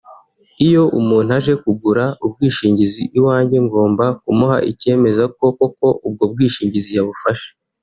“Iyo umuntu aje kugura ubwishingizi iwanjye ngomba kumuha icyemeza ko koko ubwo bwishingizi yabufashe